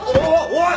おい！